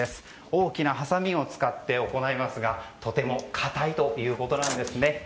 大きなはさみを使って行いますがとても固いということです。